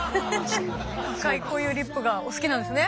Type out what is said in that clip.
赤いこういうリップがお好きなんですね？